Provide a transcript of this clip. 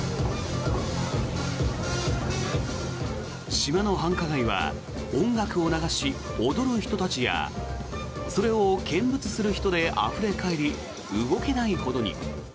島の繁華街は音楽を流し、踊る人たちやそれを見物する人であふれ返り動けないほどに。